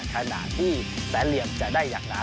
ขณะที่แสนเหลี่ยมจะได้อย่างไร